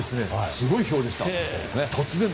すごいひょうでした。